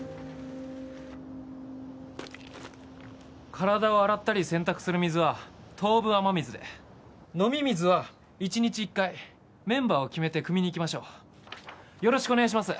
体を洗ったり洗濯する水は当分雨水で飲み水は１日１回メンバーを決めてくみに行きましょうよろしくお願いします